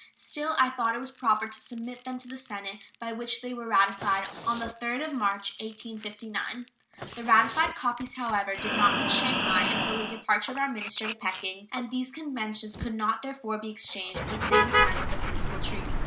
Still, I thought it was proper to submit them to the Senate by which they were ratified on the 3d of March, 1859. The ratified copies, however, did not reach Shanghai until after the departure of our minister to Peking, and these conventions could not, therefore, be exchanged at the same time with the principal treaty.